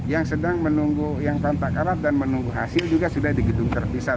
yang sedang menunggu yang kontak erat dan menunggu hasil juga sudah di gedung terpisah